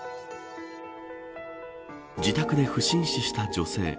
自宅で不審死した女性。